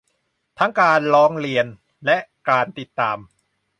ทั้งการร้องเรียนและ การติดตาม